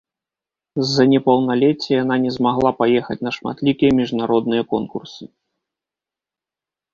З-за непаўналецця яна не змагла паехаць на шматлікія міжнародныя конкурсы.